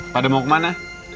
pada mau ke mana